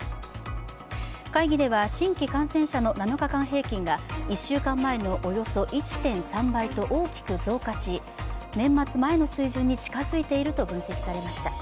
会議では、新規感染者の７日間平均が１週間前のおよそ１．３倍と大きく増加し年末前の水準に近づいていると分析されました。